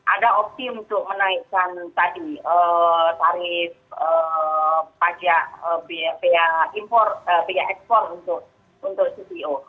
ada opsi untuk menaikkan tadi tarif pajak biaya ekspor untuk cpo